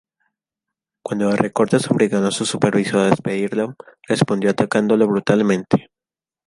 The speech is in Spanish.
Cuando los recortes obligaron a su supervisor a despedirlo, respondió atacándolo brutalmente.